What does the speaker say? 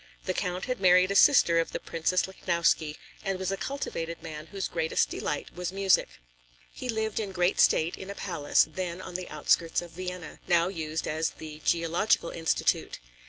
The Count had married a sister of the Princess Lichnowsky and was a cultivated man whose greatest delight was music. He lived in great state in a palace, then on the outskirts of Vienna, now used as the Geological Institute.